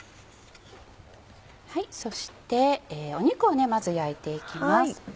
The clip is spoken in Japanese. そして肉をまず焼いていきます。